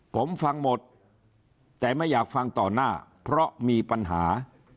ผมฟังหมดแต่ไม่อยากฟังต่อหน้าเพราะมีปัญหา